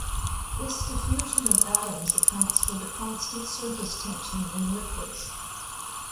This diffusion of atoms accounts for the constant surface tension in liquids.